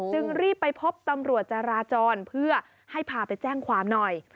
จึงรีบไปพบตำรวจจาราจรเพื่อให้พาไปแจ้งความหน่อย